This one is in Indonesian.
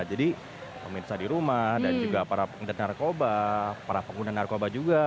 jadi pemirsa di rumah dan juga para pengedat narkoba para pengguna narkoba juga